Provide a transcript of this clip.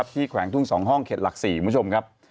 แขวงทุ่ง๒ห้องเขตหลัก๔คุณผู้ชมครับ